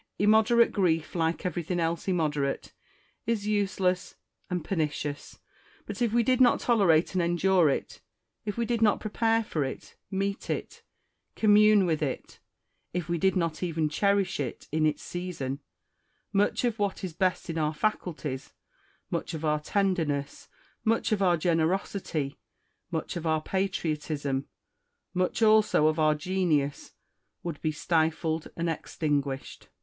Immoderate grief, MARCUS TULLIUS AND QUINCTUS CICERO. 347 like everything else immoderate, is useless and pernicious ; but if we did not tolerate and endure it, if we did not prepare for it, meet it, commune with it, if we did not even cherish it in its season — much of what is best in our faculties, much of our tenderness, much of our generosity, much of our patriotism, much also of our genius, would t>e stifled and extinguished.